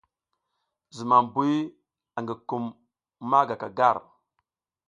Zumam buy angi kum ma gaka gar.